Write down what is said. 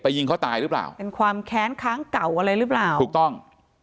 ยิงเขาตายหรือเปล่าเป็นความแค้นค้างเก่าอะไรหรือเปล่าถูกต้อง